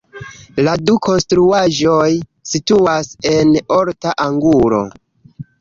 La du konstruaĵoj situas en orta angulo.